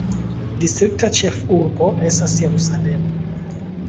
Distrikta ĉefurbo estas Jerusalemo.